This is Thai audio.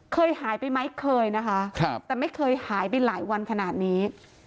เคยหายไปไหมเคยนะคะแต่ไม่เคยหายไปหลายวันขนาดนี้